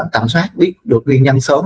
tầm soát biết được nguyên nhân sớm